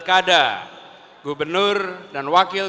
apa buat kerja yang double